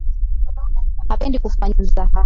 Hapendi kufanyiwa mzaha.